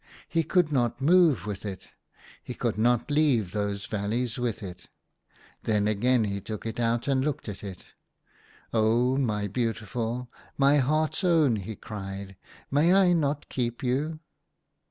He could not move with it. He could not leave those 36 THE HUNTER, valleys with it. Then again he took it out and looked at it. '• Oh, my beautiful, my heart's own !" he cried, "may I not keep you?"